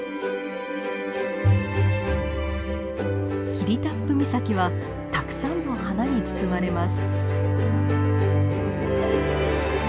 霧多布岬はたくさんの花に包まれます。